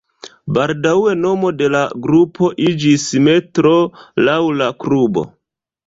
Baldaŭe nomo de la grupo iĝis Metro laŭ la klubo.